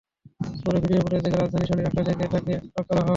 পরে video footage দেখে রাজধানীর শনির আখড়া থেকে তাঁকে আটক করা হয়।